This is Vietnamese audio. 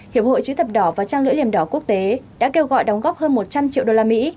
hiệp hội chữ thập đỏ và trang lưỡi liềm đỏ quốc tế đã kêu gọi đóng góp hơn một trăm linh triệu đô la mỹ